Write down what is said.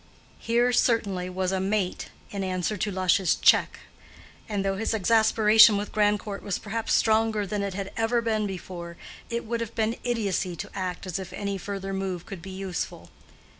Here certainly was a "mate" in answer to Lush's "check"; and though his exasperation with Grandcourt was perhaps stronger than it had ever been before, it would have been idiocy to act as if any further move could be useful.